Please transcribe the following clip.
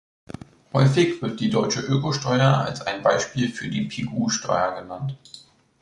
Häufig wird die deutsche Ökosteuer als ein Beispiel für die Pigou-Steuer genannt.